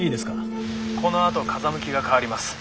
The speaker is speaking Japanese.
このあと風向きが変わります。